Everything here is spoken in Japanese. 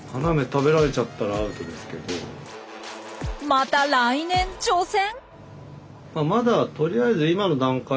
また来年挑戦？